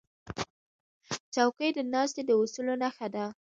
چوکۍ د ناستې د اصولو نښه ده.